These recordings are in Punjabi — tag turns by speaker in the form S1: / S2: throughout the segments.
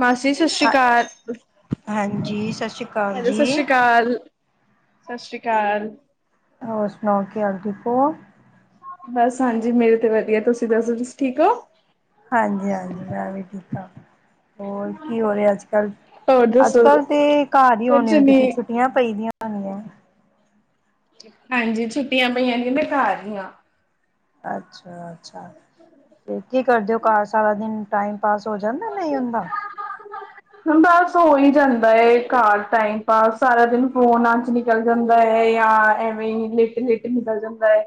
S1: ਮਾਸੀ ਸਤਿ ਸ੍ਰੀ ਅਕਾਲ
S2: ਹਾਂਜੀ ਸਤਿ ਸ਼੍ਰੀ ਅਕਾਲ
S1: ਹੈਲੋ ਸਤਿ
S2: ਜੀ।
S1: ਸ਼੍ਰੀ ਅਕਾਲ ਸਤਿ ਸ੍ਰੀ ਅਕਾਲ
S2: ਹੋਰ ਸੁਣਾਓ ਕਿ ਹਾਲ ਠੀਕ ਉ
S1: ਬਸ ਹਾਂਜੀ ਮੇਰੇ ਤੇ ਵਧੀਆ ਤੁਸੀਂ ਦੱਸੋ ਤੁਸੀ ਠੀਕ ਹੋ
S2: ਹਾਂਜੀ ਹਾਂਜੀ ਮੈਂ ਵੀ ਠੀਕ ਠਾਕ ਹੋਰ ਕੀ ਹੋ ਰਿਹਾ ਅੱਜ ਕੱਲ
S1: ਹੋਰ
S2: ਅੱਜ
S1: ਦੱਸੋ
S2: ਕੱਲ ਤੇ ਘਰ ਹੀ
S1: ਕੁਛ
S2: ਹੋਨੇ ਅ
S1: ਨੀ
S2: ਤੁਸੀਂ ਛੁੱਟੀਆਂ ਪਈ ਦੀਆਂ [unintelligible]
S1: ਹਾਂਜੀ ਛੁੱਟੀਆਂ ਪਈਆਂ ਨੇਆਂ ਮੈਂ ਘਰ ਹੀ ਆ
S2: ਅੱਛਾ ਅ ਤੇ ਕੀ ਕਰਦੇ ਹੋ ਘਰ ਸਾਰਾ ਦਿਨ ਟਾਈਮ ਪਾਸ ਹੋ ਜਾਂਦਾ ਨਹੀਂ ਹੁੰਦਾ [inaudible]
S1: ਬਸ ਹੋ ਹੀ ਜਾਂਦਾ ਘਰ ਟਾਈਮ ਪਾਸ ਸਾਰਾ ਦਿਨ ਫੋਨ ਆ ਚ ਨੀ ਚਲ ਜਾਂਦਾ ਹੈ ਜਾਂ ਐਵੇਂ ਹੀ ਲੇਟ ਲੇਟ ਨਿਕਲ ਜਾਂਦਾ ਹੈ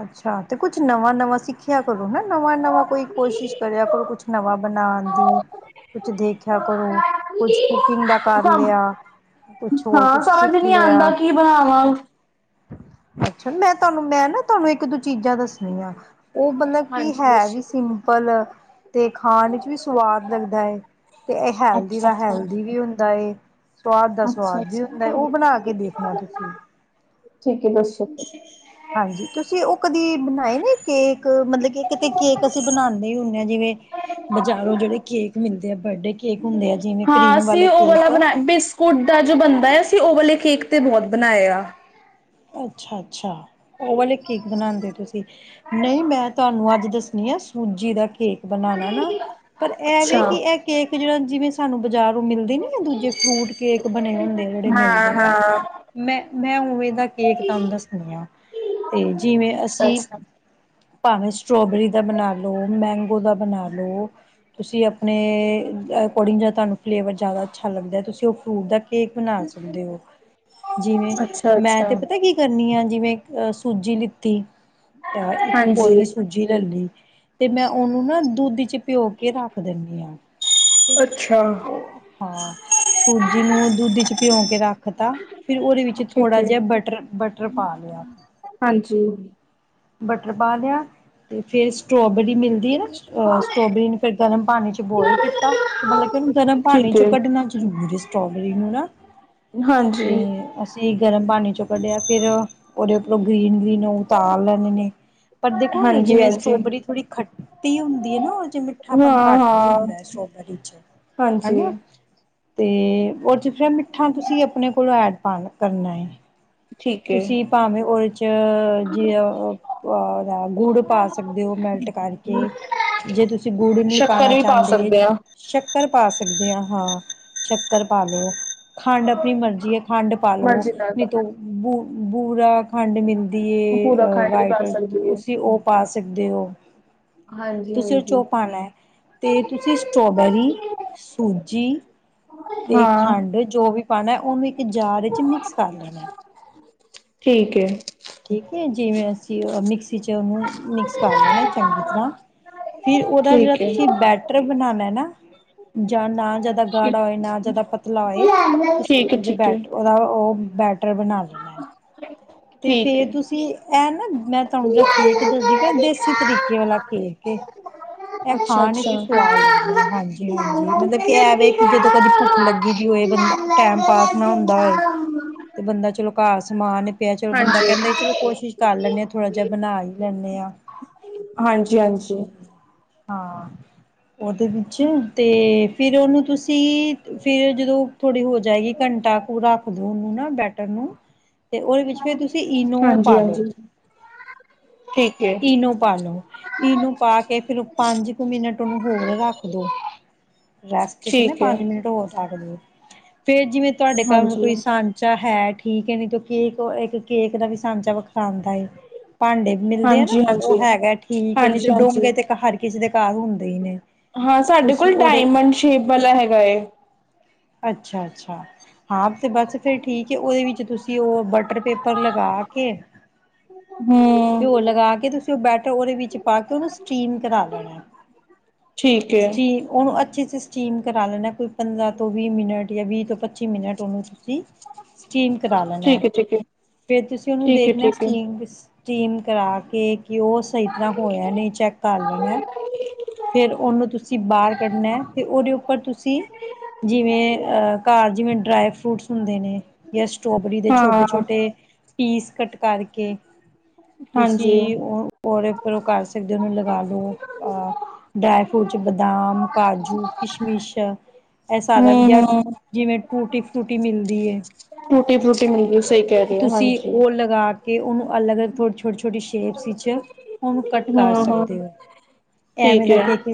S2: ਅੱਛਾ ਤੇ ਕੁਛ ਨਵਾਂ ਨਵਾਂ ਸਿੱਖਿਆ ਕਰੋ ਹਨ ਨਵਾਂ ਨਵਾਂ ਕੋਈ ਕੋਸ਼ਿਸ਼ ਕਰਿਆ ਕਰੋ ਕੁਛ ਨਵਾਂ ਬਨਾਣ ਦੀ ਕੁਛ ਦੇਖਿਆ ਕਰੋ ਕੁਝ ਕੁਕਿੰਗ ਦਾ ਕਰ
S1: ਹਾਂ
S2: ਲਿਆ ਕੁਛ ਹੋਰ ਕੁਛ
S1: ਸਮਝ
S2: ਸਿੱਖ
S1: ਨੀ ਆਉਂਦਾ
S2: ਲਿਆ
S1: ਕੀ ਬਣਾਵਾਂ
S2: ਅੱਛਾ ਮੈਂ ਤੁਹਾਨੂੰ ਮੈਂ ਨਾ ਤੁਹਾਨੂੰ ਇੱਕ ਦੋ ਚੀਜ਼ਾਂ ਦੱਸਣੀਆਂ ਉਹ ਮਤਲਬ ਕੀ
S1: ਹਾਂਜੀ
S2: ਹੈ
S1: ਦੱਸੋ
S2: ਵੀ ਸਿੰਪਲ ਤੇ ਖਾਣ ਵਿੱਚ ਵੀ ਸਵਾਦ ਲੱਗਦਾ ਹੈ ਤੇ ਇਹ ਹੈਲਦੀ
S1: ਅੱਛਾ
S2: ਦਾ ਹੈਲਦੀ
S1: ਅੱਛਾ
S2: ਵੀ ਹੁੰਦਾ ਸੁਵਾਦ ਦਾ
S1: ਅੱਛਾ
S2: ਸੁਵਾਦ ਵੀ
S1: ਅੱਛਾ
S2: ਹੁੰਦਾ ਏ ਉਹ ਬਣਾ ਕੇ ਦੇਖਣਾ ਤੁਸੀਂ
S1: ਠੀਕ ਦੱਸ ਸ਼ਕ
S2: ਹਾਂਜੀ ਤੁਸੀਂ ਉਹ ਕਦੀ ਬਣਾਏ ਨੇ ਕੇਕ ਮਤਲਬ ਕਿ ਕਿਤੇ ਕੇਕ ਅਸੀਂ ਬਣਾਉਂਦੇ ਹੀ ਹੁੰਦੇ ਹਾਂ ਜਿਵੇਂ ਬਜ਼ਾਰੋਂ ਜਿਹੜੇ ਕੇਕ ਮਿਲਦੇ ਆ ਬਰਡੇ ਕੇਕ ਹੁੰਦੇ ਆ ਜਿਵੇਂ ਕਰੀਮ ਵਾਲੇ ਕੇਕ
S1: ਕੁਡਾ ਜੋ ਬੰਦਾ ਹੈ ਅਸੀਂ ਉਹ ਵਾਲੇ ਕੇਕ ਤੇ ਬਹੁਤ ਬਣਾਇ ਆ।
S2: ਅੱਛਾ ਅੱਛਾ ਉਹ ਵਾਲੇ ਕੇਕ ਬਣਾਉਂਦੇ ਹੋ ਤੁਸੀਂ ਨਹੀਂ ਮੈਂ ਤੁਹਾਨੂੰ ਅੱਜ ਦੱਸਣੀ ਆ ਸੂਜੀ ਦਾ ਕੇਕ ਬਣਾਣਾ ਨਾ। ਪਰ
S1: ਅੱਛਾ।
S2: ਇਹਵੇ ਕਿ ਇਹ ਕੇਕ ਜਿਹੜਾ ਜਿਵੇਂ ਸਾਨੂੰ ਬਜਾਰੋ ਮਿਲਦੇ ਨੀ ਆ ਦੂਜੇ ਫਰੂਟ ਕੇਕ ਬਣੇ ਹੋਏ ਹੁੰਦੇ ਜਿਹੜੇ
S1: ਹਾਂ
S2: ਮਿਲਦੇ ਐ
S1: ਹਾਂ।
S2: ਮੈਂ-ਮੈਂ ਉਵੇਂ ਦਾ ਕੇਕ ਤਾਨੂੰ ਦੱਸਨੀ ਹਾਂ ਤੇ ਜਿਵੇਂ
S1: ਅੱਛਾ
S2: ਅਸੀਂ
S1: ਅੱਛਾ।
S2: ਭਾਵੇਂ ਸਟ੍ਰੋਬੇਰੀ ਦਾ ਬਣਾ ਲੋ, ਮੈਂਗੋ ਦਾ ਬਣਾ ਲਓ ਤੁਸੀਂ ਆਪਣੇ ਅਕੋਰਡਿੰਗ ਜਦੋਂ ਤੁਹਾਨੂੰ ਫਲੇਵਰ ਜ਼ਿਆਦਾ ਅੱਛਾ ਲੱਗਦਾ ਤੁਸੀਂ ਉਹ ਫਰੂਟ ਦਾ ਕੇਕ ਬਨਾ ਸਕਦੇ ਹੋ ਜਿਵੇਂ
S1: ਅੱਛਾ
S2: ਮੈਂ
S1: ਅੱਛਾ
S2: ਤੇ ਪਤਾ ਕੀ ਕਰਨੀ ਆ ਜਿਵੇਂ ਅ ਸੂਜੀ ਲਿੱਤੀ ਆ ਇੱਕ
S1: ਹਾਂਜੀ
S2: ਕੋਲੀ ਸੂਜੀ ਸੂਜ਼ੀ ਲੈ ਲਈ ਤੇ ਮੈਂ ਉਹਨੂੰ ਨਾ ਦੁੱਧ ਚ ਭਿਓਂ ਕੇ ਰੱਖ ਦਿੰਨੀ ਆ।
S1: ਅੱਛਾ।
S2: ਸੂਜੀ ਨੂੰ ਦੁੱਧ ਚ ਪਿਉਂ ਕੇ ਰੱਖਤਾ ਫਿਰ ਉਹਦੇ ਵਿੱਚ
S1: ਠੀਕ
S2: ਥੋੜਾ
S1: ਹੈ
S2: ਜਿਹਾ ਬਟ ਬਟਰ ਬਟਰ ਪਾ ਲਿਆ'
S1: ਹਾਂਜੀ
S2: ਬਟਰ ਪਾ ਲਿਆ ਤੇ ਫਿਰ ਸਟ੍ਰੋਾਬੇਰੀ ਮਿਲਦੀ ਨਾ ਅ ਸਟੋਬੇਰੀ ਨੂੰ ਫਿਰ ਗਰਮ ਪਾਣੀ ਚ ਬੋਇਲ ਕੀਤਾ ਮਤਲਬ ਕਿਨੂੰ ਗਰਮ ਪਾਣੀ
S1: ਠੀਕ
S2: ਚੋਂ
S1: ਹੈ।
S2: ਕੱਢਣਾ ਜ਼ਰੂਰਰੀ ਸੀ ਸਟ੍ਰੋਬੇਰੀ ਨੂੰ ਨਾ
S1: ਹਾਂਜੀ
S2: ਤੇ ਅਸੀਂ ਗਰਮ ਪਾਣੀ ਚੋਂ ਕੱਢਿਆ ਫੇਿਰ ਉਹਦੇ ਉੱਪਰੋਂ ਗ੍ਰੀਨ ਗ੍ਰੀਨ ਉਤਾਰ ਲੈਣੇ ਨੇ ਪਰ ਦੇਖੋ
S1: ਹਾਂਜੀ
S2: ਜਿਵੇਂ
S1: ਹਾਂਜੀ
S2: ਸਟ੍ਰੋਬੇਰੀ ਥੋੜ੍ਹੀ ਖੱਟੀ ਹੁੰਦੀ ਏ ਨਾ ਉਹ ਜਿਵੇਂ
S1: ਹਾਂ
S2: ਮਿੱਠਾਪਨ ਘੱਟ ਹੀ
S1: ਹਾਂ।
S2: ਹੁੰਦਾ ਹੈ ਸਟ੍ਰੋਬੇਰੀ ਚ
S1: ਹਾਂਜੀ
S2: ਹਨਾ ਤੇ ਉਹ ਫਿਰ ਮਿੱਠਾ ਤੁਸੀਂ ਆਪਣੇ ਕੋਲੋਂ ਐਡ ਪਾਲ ਕਰਨਾ ਹੈ।
S1: ਠੀਕ ਹੈ
S2: ਤੁਸੀਂ ਭਾਵੇਂ ਆਇਲ ਚ ਜੈ ਓਹ ਭੋਰਾ ਗੁੜ ਪਾ ਸਕਦੇ ਹੋ ਮੈਲਟ ਕਰਕੇ ਜੇ ਤੁਸੀਂ ਗੁੜ ਨਹੀਂ
S1: ਸ਼ੱਕਰ
S2: ਪਾਣਾ
S1: ਵੀ ਪਾ
S2: ਚਾਂਦੇ
S1: ਸਕਦੇ ਹਾਂ।
S2: ਸ਼ੱਕਰ ਪਾ ਸਕਦੇ ਹਾਂ ਸ਼ੱਕਰ ਪਾ ਲੋ ਖੰਡ ਆਪਣੀ ਮਰਜ਼ੀ ਹੈ ਖੰਡ ਪਾ ਲੋ
S1: ਮਰਜ਼ੀ ਨਾਲ ਪਾ
S2: ਨਹੀਂ ਤ ਬੂ ਬੂਰਾ। ਖੰਡ ਮਿਲਦੀ
S1: ਲਓ ਪੂਰਾ
S2: ਹੈ
S1: ਖੰਡ ਵੀ
S2: ਵਾਈਟ,
S1: ਪਾ ਸਕਦੀ ਹੈ।
S2: ਤੁਸੀਂ ਉਹ ਪਾ ਸਕਦੇ ਹੋ।
S1: ਹਾਂਜੀ
S2: ਤੁਸੀਂ ਓਹ ਚ
S1: ਹਾਂਜੀ।
S2: ਓਹ ਪਾਣੈ ਤੇ ਤੁਸੀਂ ਸਟ੍ਰੋਬੇਰੀ, ਸੂਜੀ ਤੇ
S1: ਹਾਂ
S2: ਖੰਡ ਜੋ ਵੀ ਪਾਣਾ ਉਹਨੂੰ ਇੱਕ ਜਾਰ ਵਿੱਚ ਮਿਕਸ ਕਰ ਲੈਣਾ।
S1: ਠੀਕ ਐ।
S2: ਠੀਕ ਏ ਜਿਵੇਂ ਅਸੀਂ ਮਿਕਸੀ ਚ ਉਹਨੂੰ ਮਿਕਸ ਕਰ ਲੈਣਾ ਚੰਗੀ ਤਰ੍ਹਾਂ। ਫਿਰ ਉਹਦਾ ਜਿਹੜਾ
S1: ਠੀਕ ਹੈ।
S2: ਤੁਸੀਂ ਬੈਟਰ ਬਣਾਉਣਾ ਨਾ। ਜਾਂ ਨਾ ਜਿਆਦਾ
S1: ਠੀਕ
S2: ਗਾੜਾ ਹੋਏ, ਨਾ ਜਿਆਦਾ ਪਤਲਾ ਹੋਏ।
S1: ਹੈ,
S2: ਤੁਸੀਂ
S1: ਠੀਕ
S2: ਉਝ
S1: ਹੈ,
S2: ਫੈਂਟ ਉਹਦਾ ਉਹ ਬੈਟਰ ਬਣਾ ਦੇ।
S1: [unintelligible] [inaudible]
S2: ਤੇ
S1: ਠੀਕ
S2: ਫੇਰ
S1: ਹੈ।
S2: ਤੁਸੀਂ ਇਹ ਨਾ ਮੈਂ ਤੁਹਾਨੂੰ ਜਿਹੜਾ ਕੇਕ ਦਸਦੀ ਪਿਆ, ਦੇਸੀ ਤਰੀਕੇ ਵਾਲਾ ਕੇਕ ਏ। ਇਹ
S1: ਅੱਛਾ,
S2: ਖਾਣ
S1: ਅੱਛਾ।
S2: ਚ ਸਵਾਦ ਲੱਗਦਾ ਹੈ, ਹਾਂਜੀ- ਹਾਂਜੀ ਮਤਲਬ ਕਿ ਐਵੇ ਕਿ ਜਦੋਂ ਕਦੀ ਭੁੱਖ ਲੱਗੀ। ਲਗੀ ਦੀ ਹੋਏ ਬੰਦਾ ਟੈਮ, ਪਾਸ ਨਾ ਹੁੰਦਾ ਹੋਏ। ਤੇ ਬੰਦਾ ਚਲੋ ਘਰ ਸਮਾਨ ਨੇ ਪਿਆ ਚਲੋ ਬੰਦਾ
S1: ਹਾਂਜੀ।
S2: ਕਹਿੰਦਾ ਚਲੋ ਕੋਸ਼ਿਸ਼। ਕਰ ਲੈਨ ਹਾਂ ਥੋੜਾ ਜਿਹਾ ਬਣਾ ਹੀ ਲੈਂਦੇ ਹਾਂ।
S1: ਹਾਂਜੀ- ਹਾਂਜੀ
S2: ਹਾਂ। ਉਹਦੇ ਵਿੱਚ, ਤੇ ਫਿਰ ਉਹਨੂੰ ਤੁਸੀਂ ਫਿਰ ਜਦੋਂ। ਥੋੜੀ ਹੋ ਜਾਏਗੀ ਘੰਟਾ ਕੁ ਰੱਖ ਦੋ ਉਹਨੂੰ ਨਾ ਬੈਟਰ ਨੂੰ ਤੇ ਔ
S1: ਹਾਂਜੀ- ਹਾਂਜੀ ਠੀਕ। ਹੈ,
S2: ਈਨੋ ਪਾਲੋ। ਈਨੋ ਨੂੰ ਪਾ ਕੇ ਫੇਰ ਪੰਜ ਕੁ ਮਿੰਟ ਉਹਨੂੰ ਹੋਰ ਰੱਖ ਦੋ। ਰੈਸਟ ਤੇ ਨੇ
S1: ਠੀਕ ਹੈ,
S2: ਪੰਜ ਮਿੰਟ ਹੋ ਦਗਦੇ। ਫੇਰ ਜਿਵੇਂ ਤੁਹਾਡੇ ਘਰ ਕੋਈ
S1: ਹਾਂਜੀ।
S2: ਸਾਂਚਾ ਹੈ ਠੀਕ ਹੈ ਨੀ ਕਿਉਂਕਿ ਕੇਕ ਦਾ ਵੀ ਸਾਂਝਾ ਵਿਖਰਾਉਂਦਾ ਏ। ਭਾਂਡੇ ਮਿਲਦੇ ਆ ਨਾ,
S1: ਹਾਂਜੀ
S2: ਉਹ
S1: ਹਾਂਜੀ
S2: ਹੈਗਾ ਠੀਕ ਹੈ ਨਹੀਂ ਤੇ
S1: ਹਾਂਜੀ
S2: ਡੂੰਮ
S1: ਹਾਂਜੀ
S2: ਗਏ ਤੇ ਹਰ ਕਿਸੇ ਦੇ ਘਰ ਹੁੰਦੇ ਹੀ ਨੇ।
S1: ਹਾਂ ਸਾਡੇ
S2: ਤੁਸੀਂ
S1: ਕੋਲ,
S2: ਉਹਦੇ
S1: ਡਾਇਮੰਡ ਸ਼ੇਪ ਵਾਲਾ ਹੈਗਾ ਏ।
S2: ਅੱਛਾ ਅੱਛਾ। ਹਾਂ ਤੇ ਬਸ ਫਿਰ ਠੀਕ ਹੈ। ਉਹਦੇ ਵਿੱਚ ਤੁਸੀਂ ਉਹ ਬਟਰ ਪੇਪਰ ਲਗਾ ਕੇ
S1: ਹੂੰ।
S2: ਘਿਓ ਲਗਾ ਕੇ ਤੁਸੀਂ ਉਹ ਬੈਟਰ ਉਹਦੇ ਵਿੱਚ ਪਾ ਕੇ ਓਨੂੰ ਸਟੀਮ ਕਰਾ ਲੈਣਾ।
S1: ਠੀਕ ਹੈ।
S2: ਸਟੀਮ ਉਹਨੂੰ ਅੱਛੇ ' ਸਟੀਮ ਕਰਾ ਲੈਣਾ ਕੋਈ ਪੰਦਰਾਂ ਤੋਂ, ਵੀਹ ਮਿੰਟ ਜਾਂ ਵੀਹ ਤੋਂ ਪੱਚੀ ਮਿੰਟ ਉਹਨੂੰ ਤੁਸੀਂ। ਸਟੀਮ ਕਰਾ ਲੈਣਾ ਹੈ।
S1: ਠੀਕ ਏ ਠੀਕ ਏ
S2: ਫਿਰ ਤੁਸੀਂ ਉਹਨੂੰ
S1: ਠੀਕ ਏ
S2: ਦੇਖਣਾ
S1: ਠੀਕ ਏ
S2: ਸਟੀਮ- ਸਟੀਮ ਕਰਾ ਕੇ। ਕਿ ਉਹ ਸਹੀ ਤਰ੍ਹਾਂ ਹੋਇਆ ਨਹੀਂ ਚੈੱਕ ਕਰ ਲੈਣਾ, ਫੇਰ ਉਹਨੂੰ ਤੁਸੀਂ। ਬਾਹਰ ਕੱਢਣਾ ਹੈ ਅਤੇ ਉਹਦੇਪ ਪਰ ਤੁਸੀਂ, ਜਿਵੇਂ ਅਹ ਘਰ ਜਿਵੇਂ ਡਰਾਈ ਫਰੂਟਸ ਹੁੰਦੇ ਨੇ ਜਾਂ ਸਟ੍ਰੋਬਰੀ ਦੇ
S1: ਹਾਂ
S2: ਛੋਟੇ-ਛੋਟੇ ਪੀਸ ਕਟ ਕਰ ਕੇਕ
S1: ਹਾਂਜੀ
S2: ਤੁਸੀਂ ਉਹ ਪੋਰੇ ਫਰ ਕਰ ਸਕਦੇ ਨੂੰ ਲਗਾ ਲਓ ਆ। ਡਰਾਈ ਫਰੂਟ ਚ ਬਦਾਮ, ਕਾਜੂ, ਕਿਸ਼ਮਿਸ਼। ਇਹ ਸਾਰਾ
S1: ਹੂੰ
S2: ਗਿਆ,
S1: ਹੂੰ
S2: ਜਿਵੇਂ ਟੂਟੀ ਫਰੂਟੀ ਮਿਲਦੀ ਹੈ।
S1: ਰੂਟੀ ਫਰੂਟੀ ਮਿਲਦੀ, ਸਹੀ। ਕਹਿ ਰਹੇ ਹੋ
S2: ਤੁਸੀਂ
S1: ਹਾਂਜੀ
S2: ਉਹ ਲਗਾ ਕੇ ਉਹਨੂੰ ਅਲੱਗ-ਅਲੱਗ ਥੋ ਛੋਟੀ-ਛੋਟੀ ਸ਼ੇਪਸ ਵਿੱਚ ਉਹਨੂੰ ਕੱਟ ਕਰ
S1: ਹੂੰ ਹੂੰ
S2: ਸਕਦੇ ਹੋ, ਐਵੇਂ
S1: ਠੀਕ
S2: ਦਾ
S1: ਏ
S2: ਕੇਕ।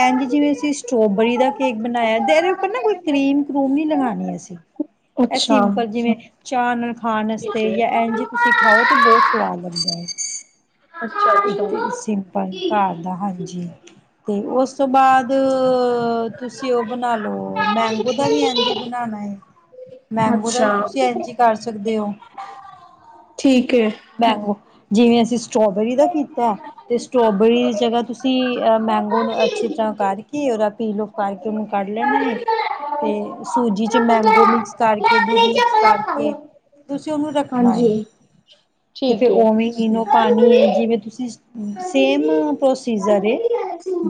S2: ਐਂਜੀ ਜਿਵੇਂ ਅਸੀਂ ਸਟ੍ਰੋਬਰੀ ਦਾ ਕੇਕ ਬਣਾਇਆ, ਤੇ ਇਹਦੇ ਉੱਪਰ ਨਾ ਕੋਈ ਕਰੀਮ, ਕਰੂਮ ਨੀ ਲਗਾਣੀ ਅਸੀਂ। ਜੀ, ਇਹ
S1: ਅੱਛਾ
S2: ਸਿੰਪਲ ਜਿਵੇਂ ਚਾ ਨਾਲ
S1: ਠੀਕ
S2: ਨਾਸਤੇ ਯਾ ਐਜੀ ਤੁਸੀਂ ਖਾਓ ਤੇ ਬਹੁਤ
S1: ਏ
S2: ਸਵਾਦ ਲੱਗਦਾ ਹੈ।
S1: ਅੱਛਾ ਅੱਛਾ
S2: ਇੱਕ ਸਿੰਪਲ ਘਰ ਦਾ। ਹਾਂਜੀ, ਤੇ ਉਸ ਤੋਂ ਬਾਅਦ ਤੁਸੀਂ ਉਹ ਬਣਾ ਲਓ, ਮੈਂਗੋ ਦਾ ਵੀ ਐਂਜਹੀ ਬਣਾਉਣਾ ਹੈ। ਮੈਂਗੋ ਦਾ ਵੀ
S1: ਅੱਛਾ
S2: ਤੁਸੀਂ ਐਨ ਜੀ ਕਰ ਤੇਊ,
S1: ਠੀਕ ਹੈ
S2: ਮੈਂਗੋ ਜਿਵੇਂ ਅਸੀਂ ਸਟ੍ਰੋਬੇਰੀ ਦਾ ਕੀਤਾ। ਤੇ ਸਟ੍ਰੋਬੇਰੀ ਦੀ ਜਗ੍ਹਾ ਤੁਸੀਂ ਅ ਮੈਂਗੋ ਅੱਛੀ ਤਰ੍ਹਾਂ ਕਰਕੇ ਰੱਖ। ਪੀ ਲੋਕ ਆ ਕੇ ਉਹਨੂੰ ਕੱਢ ਲੈਣਾ ਹੈ। ਤੇ ਸੂਜੀ ਚ, ਮੈਂਗੋ ਮਿਕਸ ਕਰਕੇ ਦੁੱਧ ਮਿਕਸ ਕਰਕੇ ਤੁਸੀ ਉਹਨੂੰ ਰੱਖਣਾ ਹੈ
S1: ਹਾਂਜੀ
S2: ਅਤੇ ਫਿਰ
S1: ਠੀਕ ਹੈ
S2: ਉਵੇਂ ਈਨੋ ਪਾਣੀ ਏ ਜਿਵੇਂ ਤੁਸੀਂ ਸੇਮ ਪ੍ਰੋਸੀਜਰ ਏ।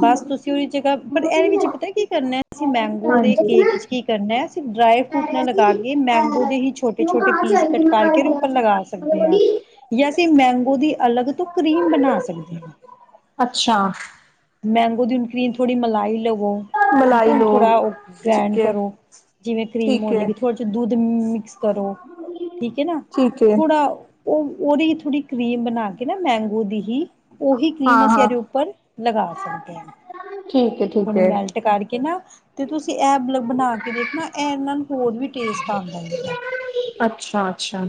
S2: ਬਸ ਤੁਸੀਂ ਉਹਦੀ ਜਗ੍ਹਾ ਪਰ ਇਹਦੇ ਵਿੱਚ ਪਤਾ ਕੀ ਕਰਨਾ ਹੈ। ਐਸੀ ਮੈਂਗੋ ਦੇ
S1: ਹਾਂਜੀ
S2: ਕੇਕ ਵਿੱਚ ਕੀ ਕਰਨਾ ਹੈ! ਅਸੀਂ ਡਰਾਈ ਫਰੂਟ ਨਾਲ ਲਗਾ ਕੇ ਮੈਂਗੋ ਦੇ ਹੀ ਛੋਟੇ-ਛੋਟੇ ਪੀਸ ਕਟ ਕਰਕੇ ਤੇ ਉਪਰ ਲਗਾ ਸਕਦੇ ਹਾਂ। ਜਾਂ ਅਸੀਂ ਮੈਂਗੋ ਦੀ ਅਲੱਗ ਤੋਂ ਕਰੀਮ ਬਣਾ ਸਕਦੇ ਹਾਂ
S1: ਅੱਛਾ
S2: ਮੈਂਗੋ ਦੀ ਹੁਣ ਕ੍ਰੀਮ ਥੋੜ੍ਹੀ ਮਲਾਈ ਲਵੋ। ਠੀਕ ਹੈ
S1: ਮਲਾਈ
S2: ਹੁਣ
S1: ਲੋ
S2: ਥੋੜ੍ਹਾ ਉਹ
S1: ਠੀਕ
S2: ਗ੍ਰੈਂਡ
S1: ਹੈ
S2: ਕਰੋ। ਜਿਵੇਂ ਕਰੀਮ ਹੋ
S1: ਠੀਕ ਹੈ
S2: ਜਾਵੇਗੀ। ਥੋੜ੍ਹਾ ਜਿਹਾ ਦੁੱਧ ਮਿਕਸ ਕਰੋ। ਠੀਕ ਹੈ ਨਾ
S1: ਠੀਕ ਹੈ
S2: ਥੋੜਾ ਉਹ ਉਹ ਦੀ ਥੋੜ੍ਹੀ ਕਰੀਮ ਬਣਾ ਕੇ ਨਾ ਮੈਂਗੋ ਦੀ ਹੀ ਉਹੀ ਕਰੀਮ
S1: ਹਾਂ
S2: ਅਸੀਂ
S1: ਹਾਂ
S2: ਇਹਦੇ ਉੱਪਰ ਲਗਾ ਸਕਦੇ ਹਾਂ
S1: ਠੀਕ ਹੈ ਠੀਕ
S2: ਥੋਣੀ
S1: ਹੈ
S2: ਮੈਲਟ ਤੇ ਕਰਕੇ ਨਾ, ਤੇ ਤੁਸੀਂ ਇਹ ਮਤਲਬ ਬਣਾ ਕੇ ਦੇਖਨਾ, ਇਹਨਾਂ ਨੂੰ ਹੋਰ ਵੀ ਟੇਸਟ ਆਉਂਦਾ ਹੈ ਉਦਾਂ।
S1: ਅੱਛਾ। ਅੱਛਾ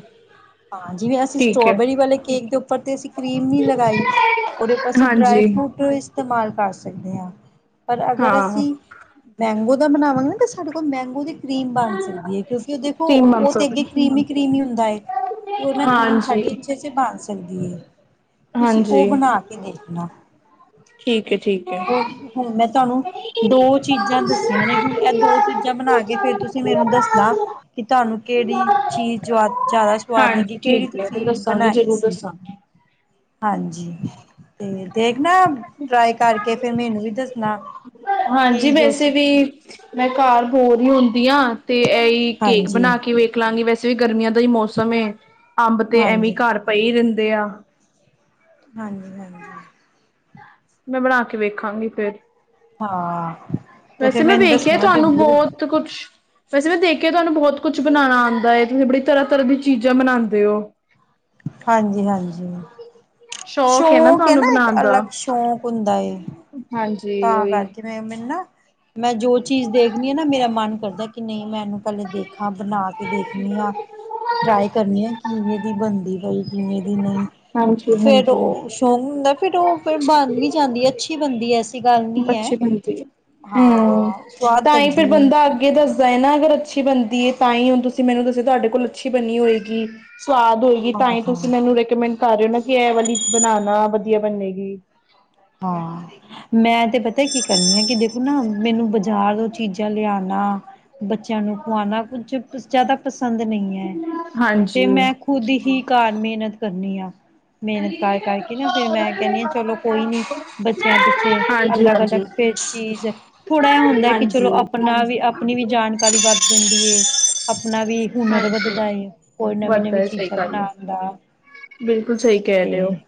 S2: ਹਾਂ ਜਿਵੇਂ ਅਸੀਂ
S1: ਠੀਕ ਹੈ
S2: ਸਟੋਬੇਰੀ ਵਾਲੇ ਕੇਕ ਦੇ, ਉੱਪਰ ਤੇ ਅਸੀਂ ਕਰੀਮ ਨੀ ਲਗਾਈ! ਉਹਦੇ ਉਪਰ ਅਸੀਂ ਡਰਾਈ
S1: ਹਾਂਜੀ
S2: ਫਰੂਟ ਇਸਤੇਮਾਲ ਕਰ ਸਕਦੇ ਹਾਂ ਪਰ ਅਗਰ
S1: ਹਾਂ
S2: ਅਸੀਂ ਮੈਂਗੋ ਦਾ ਬਣਾਵਾਂਗੇ ਤਾਂ ਸਾਡੇ ਕੋਲ ਮੈਂਗੋ ਦੀ ਕਰੀਮ ਬਣ ਸਕਦੀ ਹੈ। ਕਿਉਂਕਿ ਉਹ ਦੇਖੋ
S1: ਤਿੰਨ
S2: ਉਹ
S1: ਮੰਥ ਹੋ
S2: ਤੇ ਅੱਗੇ ਕਰੀਮੀ-ਕਰੀਮੀ ਹੁੰਦਾ ਤੇ, ਉਹ
S1: ਗਏ
S2: ਨਾ ਕਰੀਮ
S1: ਹਾਂਜੀ
S2: ਸਾਡੀ ਅੱਛੇ ਜਿਹੇ ਬਣ ਸਕਦੀ ਹੈ! ਤੁਸੀਂ ਉਹ
S1: ਹਾਂਜੀ
S2: ਬਣਾ ਕੇ ਦੇਖਣਾ
S1: ਠੀਕ ਜੀ
S2: ਹਣ ਹੁਣ ਮੈਂ ਤੁਹਾਨੂੰ ਦੋ ਚੀਜ਼ਾਂ ਦੱਸੀਆਂ ਨੇ ਹੁਣ ਇਹ ਦੋ ਚੀਜ਼ਾਂ ਬਣਾ ਕੇ ਫਿਰ ਤੁਸੀਂ ਮੈਨੂੰ ਦੱਸਣਾ ਕਿ ਤੁਹਾਨੂੰ ਕਿਹੜੀ ਚੀਜ਼ ਜ਼ਿਆਦਾ ਸਵਾਦ ਲੱਗੀ
S1: ਹਾਂਜੀ ਠੀਕ
S2: ਕਿਹੜੀ
S1: ਹੈ, ਮੈਂ
S2: ਤੁਸੀਂ
S1: ਦੱਸਾਂਗੀ
S2: ਬਣਾਈ
S1: ਜ਼ਰੂਰ
S2: ਸੀ
S1: ਦੱਸਾਂਗੀ।
S2: ਹਾਂਜੀ ਤੇ ਦੇਖ ਨਾ ਟਰਾਈ ਕਰਕੇ ਫਿਰ ਮੈਨੂੰ ਵੀ ਦੱਸਣਾ ਕਿ
S1: ਹਾਂਜੀ
S2: ਜੋ
S1: ਵੈਸੇ
S2: ਸਿੱਖ
S1: ਵੀ ਮੈਂ ਘਰ ਬੋਰ ਹੀ ਹੁੰਦੀ ਆ ਤੇ ਇਹੀ ਕੇਕ
S2: ਹਾਂਜੀ
S1: ਬਣਾ ਕੇ ਵੇਖ ਨਿਕਲਾਂਗੇ ਵੈਸੇ ਵੀ ਗਰਮੀਆਂ ਦਾ ਹੀ ਮੌਸਮ ਏ ਅੰਬ ਤੇ ਐਵੇਂ
S2: ਹਾਂਜੀ
S1: ਘਰ ਪਏ ਹੀ ਰਹਿੰਦੇ ਆ
S2: ਹਾਂਜੀ ਹਾਂਜੀ
S1: ਮੈਂ ਬਣਾ ਕੇ ਵੇਖਾਂਗੀ ਫਿਰ
S2: ਹਾਂ ਤੇ
S1: ਵੈਸੇ
S2: ਫਿਰ
S1: ਮੈਂ,
S2: ਮੈਨੂੰ
S1: ਵੇਖਿਆ
S2: ਦੱਸਣਾ
S1: ਤੁਹਾਨੂੰ
S2: ਜ਼ਰੂਰ
S1: ਬਹੁਤ ਕੁਛ ਵੈਸੇ ਮੈਂ ਦੇਖਿਆ ਤੁਹਾਨੂੰ ਬਹੁਤ ਕੁੱਛ ਬਣਾਉਣਾ ਆਉਂਦਾ ਹੈਏ। ਤੁਸੀਂ ਬੜੀ ਤਰ੍ਹਾਂ-ਤਰ੍ਹਾਂ ਦੀ ਚੀਜ਼ਾਂ ਬਣਾਉਂਦੇ ਹੋ!
S2: ਹਾਂਜੀ-ਹਾਂਜੀ ਸ਼ੌਕ ਹੈ ਨਾ ਇੱਕ ਅਲੱਗ ਸ਼ੌਕ ਹੁੰਦਾ ਹ
S1: ਹਾਂਜੀ
S2: ਤਾਂ
S1: ਉਹੀ
S2: ਕਰਕੇ ਟਾਈਮ ਮਿਲਣਾ ਮੈਂ ਜੋ ਚੀਜ਼ ਦੇਖਣੀ ਆ ਨਾ ਮੇਰਾ ਮਨ ਕਰਦਾ ਕਿ ਨਹੀਂ ਮੈਂ ਇਹਨੂੰ ਪਹਿਲੇ ਦੇਖ ਅੱਖਾਂ ਬਣਾ ਕੇ ਦੇਖਣੀ ਆ ਟਰਾਈ ਕਰਨੀ ਆ ਕਿਵੇਂ ਇਹਦੀ ਬਣਦੀ ਕੋਈ ਵੀ ਮੇ ਦੀ ਨਾਲ
S1: ਹਾਂਜੀ
S2: ਫਿਰ
S1: ਹਾਂਜੀ
S2: ਉਹ ਸ਼ੌਕ ਹੁੰਦਾ ਫਿਰ ਉਹ ਫਿਰ ਬਣ ਵੀ ਜਾਂਦੀ ਅੱਛੀ ਬਣਦੀ ਹੈ ਗੱਲ ਨਹੀਂ ਹੈ।
S1: ਬੱਚੀ ਬਣਦੀ ਹੂ
S2: ਹਾਂ ਸਵਾਦ
S1: ਤਾਂ ਹੀ ਫਿਰ
S2: ਲੱਗਦੀ ਏ।
S1: ਬੰਦਾ ਅੱਗੇ ਦੱਸਦਾ ਹੈ ਨਾ ਅਗਰ ਅੱਛੀ ਬਣਦੀ ਹੈਏ ਤਾਂ ਹੀ ਹੁਣ ਤੁਸੀਂ ਮੈਨੂੰ ਦੱਸਿਆ ਤੁਹਾਡੇ ਕੋਲ ਅੱਛੀ ਬਣੀ ਹੋਏਗੀ ਸਵਾਦ ਹੋਏਗੀ ਤਾਂ
S2: ਹਾਂ
S1: ਹੀ ਤੁਸੀਂ
S2: ਹਾਂ
S1: ਮੈਨੂੰ ਰਿਕਮੈਂਡ ਕਰ ਰਹੇ ਹੋ ਨਾ ਕਿ ਇਹ ਵਾਲੀ ਬਣਾਉਣਾ ਵਧੀਆ ਬਨੇਗੀ
S2: ਹਾਂ ਮੈਂ ਤੇ ਪਤਾ ਕੀ ਕਰਨੀ ਆ ਕਿ ਦੇਖੋ ਨਾ ਮੈਨੂੰ ਬਾਜ਼ਾਰ ਤੋਂ ਚੀਜ਼ਾਂ ਲਿਆਉਣਾ ਬੱਚਿਆਂ ਨੂੰ ਖਵਾਉਣਾ ਕੁੱਛ ਜ਼ਿਆਦਾ ਪਸੰਦ ਨਹੀਂ ਹੈ ਤੇ
S1: ਹਾਂਜੀ
S2: ਮੈਂ ਖੁਦ ਹੀ ਘਰ ਮਿਹਨਤ ਕਰਨੀ ਆ ਮਿਹਨਤ
S1: ਹਾਂਜੀ
S2: ਕਰ ਕਰਕੇ ਨਾ ਫਿਰ ਮੈਂ ਕਹਿੰਦੀ ਹਾਂ ਚਲੋ ਕੋਈ ਨਹੀਂ ਬੱਚਿਆਂ ਪਿੱਛੇ
S1: ਹਾਂਜੀ
S2: ਅਲੱਗ ਅਲੱਗ ਫਿਰ ਚੀਜ਼ ਥੋੜਾ ਜਿਹਾ ਹੁੰਦਾ ਕਿ ਚਲੋ
S1: ਹਾਂਜੀ
S2: ਆਪਣਾ ਵੀ ਆਪਣੀ ਵੀ ਜਾਣਕਾਰੀ ਵੱਧ ਜਾਂਦੀ ਹੈ ਆਪਣਾ ਵੀ ਹੁਨਰ
S1: ਹਾਂਜੀ
S2: ਵੱਧਦਾ ਏ ਕੋਈ ਨਵੀਂ
S1: ਵੱਧਦਾ
S2: ਨਵੀਂ
S1: ਹੈ ਸਹੀ
S2: ਚੀਜ਼ਾਂ
S1: ਗੱਲ ਹੈ
S2: ਬਣਾਉਣ ਦਾ
S1: ਬਿਲਕੁਲ ਸਹੀ ਕਹਿ
S2: ਤੇ
S1: ਰਹੇ ਹੋ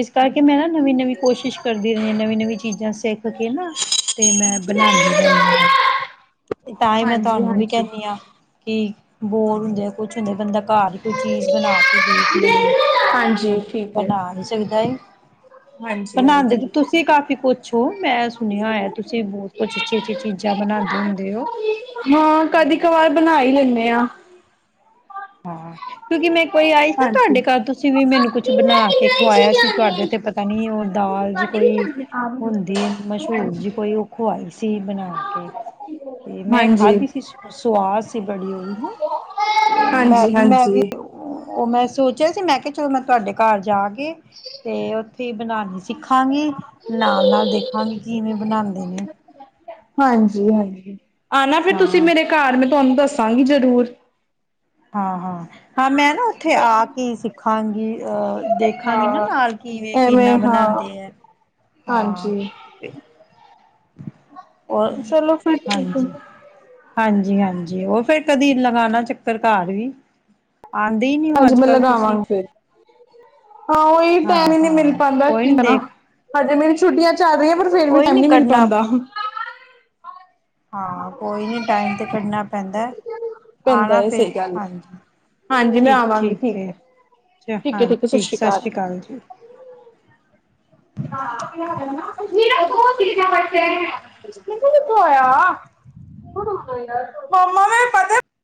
S2: ਇਸ ਕਰਕੇ ਮੈਂ ਨਾ ਨਵੀਂ ਨਵੀਂ ਕੋਸ਼ਿਸ਼ ਕਰਦੀ ਰਹੀਾ ਨਵੀਂ ਨਵੀਂ ਚੀਜ਼ਾਂ ਸਿੱਖ ਰ ਕੇ ਨਾ ਤੇ ਮੈਂ ਬਣਾਉਂਦੀ ਰਹਦੀ ਹਾਂ ਤਾਂ ਹੀ ਮੈਂ
S1: ਹਾਂਜੀ
S2: ਤੁਹਾਨੂੰ ਵੀ
S1: ਹਾਂਜੀ
S2: ਕਹਿੰਦੀ ਹਾਂ ਕਿ ਬੋਰ ਹੁੰਦੇ ਆ ਕੁਛ ਹੁੰਦਾ ਬੰਦਾ ਘਰ ਹੀ ਕੋਈ ਚੀਜ਼ ਬਣਾ ਕੇ ਦੇਖ ਲਵੇ
S1: ਹਾਂਜੀ ਠੀਕ ਹੈ
S2: ਬਣਾ ਹੀ ਸਕਦਾ ਹੈ
S1: ਹਾਂਜੀ
S2: ਬਣਾਉਂਦੇ
S1: ਹਾਂਜੀ
S2: ਤੁਸੀਂ ਕਾਫੀ ਕੁਛ ਹੋ ਮੈਂ ਸੁਣਿਆ ਹੋਇਆ ਤੁਸੀਂ ਬਹੁਤ ਕੁਛ ਅੱਛੀ ਅੱਛੀ ਚੀਜ਼ਾਂ ਬਣਾਉਂਦੇ ਹੁੰਦੇ ਹੋ
S1: ਹਾਂ ਕਦੀ ਕ ਵਾਰ ਬਣਾ ਹੀ ਲੈਂਦੇ ਹਾਂ
S2: ਹਾਂ ਕਿਉਂਕਿ ਮੈਂ ਕੋਈ ਆਈ ਸੀ ਨਾ
S1: ਹਾਂਜੀ
S2: ਤੁਹਾਡੇ ਘਰ ਤੁਸੀਂ ਵੀ ਮੈਨੂੰ ਕੁਛ ਬਣਾ ਕੇ ਖਵਾਇਆ ਸੀ ਤੁਹਾਡੇ ਤੇ ਪਤਾ ਕੈਣੀ ਉਹ ਦਾਲ ਜੀ ਕੋਈ ਹੁੰਦੀ ਮਸ਼ਹੂਰ ਜੀ ਕੋਈ ਉਹ ਖਵਾਈ ਸੀ ਬਣਾ ਕੇ ਤੇ ਮੈਂ
S1: ਹਾਂਜੀ
S2: ਖਾਧੀ ਸੀ ਸਵਾਦ ਸੀ ਬੜੀ ਉਹਦੀ ਤੇ ਮੈਂ
S1: ਹਾਂਜੀ
S2: ਮੈਂ
S1: ਹਾਂਜੀ
S2: ਵੀ ਉਹ ਮੈਂ ਸੋਚਿਆ ਸੀ ਮੈਂ ਕਿਹਾ ਚਲੋ ਮੈਂ ਤੁਹਾਡੇ ਘਰ ਜਾ ਕੇ ਤੇ ਉੱਥੇ ਹੀ ਬਣਾਉਣੀ ਸੀ ਤੇ ਖਾ ਨਾਲ ਨਾਲ ਦੇਖਾਂਗੀ ਕਿ ਇਵੇਂ ਬਣਾਉਂਦੇ ਨੇ
S1: ਹਾਂਜੀ ਹਾਂਜੀ ਆ ਨਾ ਫਿਰ ਤੁਸੀਂ
S2: ਹਾਂ
S1: ਮੇਰੇ ਘਰ ਮੈਂ ਤੁਹਾਨੂੰ ਦੱਸਾਂਗੀ ਜ਼ਰੂਰ
S2: ਹਾਂ ਹਾਂ ਹਾਂ ਮੈਂ ਨਾ ਉੱਥੇ ਆ ਕੀ ਸਿੱਖਾਂਗੀ ਅਹ ਦੇਖਾਂਗੀ ਨਾ
S1: ਹਾਂ
S2: ਨਾਲ ਕਿਵੇਂ ਕਿੰਨਾ
S1: ਐਵੇਂ ਹਾਂ
S2: ਬਣਾਉਂਦੇ ਆ
S1: ਹਾਂਜੀ।
S2: ਉਹ
S1: ਚਲੋ ਫਿਰ ਠੀਕ ਹੈ
S2: ਹਾਂਜੀ ਹਾਂਜੀ, ਹਾਂਜੀ, ਉਹ ਫੇਰ ਕਦੀ ਲਗਾਣਾ ਚੱਕਰ ਘਰ ਵੀ। ਆਦੇ ਈ ਨੀ ਹੋ
S1: ਹਾਂਜੀ
S2: ਅੱਜ
S1: ਮੈਂ
S2: ਕੱਲ ਤੁਸੀ?
S1: ਲਗਾਵਾਂਗੀ ਫਿਰ ਹਾਂ, ਉਹੀ ਟਾਈਮ ਹੀ ਨਹੀਂ ਮਿਲ
S2: ਹਾਂ
S1: ਪਾਉਂਦਾ
S2: ਕੋਈ
S1: ਕੀ
S2: ਨੀ
S1: ਕਰਾ
S2: ਦੇਖ
S1: ਹਜੇ, ਮੇਰੀਆਂ ਛੁੱਟੀਆਂ ਚੱਲ ਰਹੀਆਂ, ਪਰ ਫਿਰ ਵੀ
S2: ਕੋਈ
S1: ਟਾਈਮ ਨੀ ਮਿਲ
S2: ਕਰਨਾ
S1: ਪਾਉਂਦਾ।
S2: ਹਾਂ, ਕੋਈ ਨਹੀਂ ਟਾਈਮ 'ਤੇ ਕੱਢਣਾ ਪੈਂਦਾ। ਆ
S1: ਪੈਂਦਾ
S2: ਨਾ
S1: ਹੈ
S2: ਫਿਰ,
S1: ਸਹੀ ਗੱਲ ਹੈ
S2: ਹਾਂਜੀ
S1: ਹਾਂਜੀ ਮੈਂ
S2: ਠੀਕ
S1: ਆਵਾਂਗੀ
S2: ਠੀਕ ਐ।
S1: ਹੈ
S2: ਚ, ਹਾਂਜੀ ਠੀਕ, ਸਤਿ ਸ਼੍ਰੀ ਅਕਾਲ ਜੀ।
S1: [unintelligible] [unintelligible] ਮੰਮਾ ਤੇ ਪਤਾ